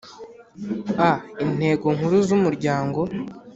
a Intego nkuru z umuryango